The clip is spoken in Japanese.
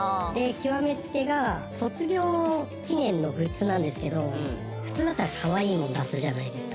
「極め付きが卒業記念のグッズなんですけど普通だったらかわいいもの出すじゃないですか」